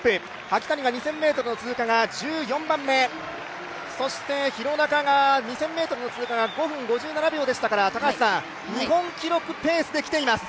萩谷が２０００ｍの通過が１４番目、そして廣中の２０００ｍの通過が５分５７秒でしたから日本記録ペースできています。